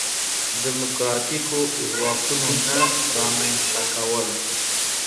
دیموکراتیکو ځواکونو نه رامنځته کول.